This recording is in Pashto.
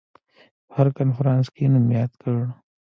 په هر کنفرانس کې یې نوم یاد کړ.